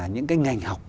những cái ngành học